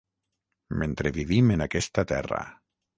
Mentre vivim en aquesta terra.